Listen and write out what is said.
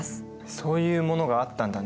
そういうものがあったんだね。